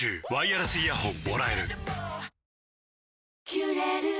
「キュレル」